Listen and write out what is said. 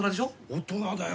大人だよ。